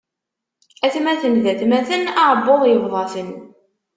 Atmaten d atmaten, aɛebbuḍ ibḍa-ten.